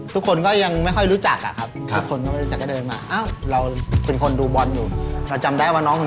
ทุกคนก็ยังไม่ค่อยรู้จักอะครับทุกคนก็ไม่จัดกระเดินมา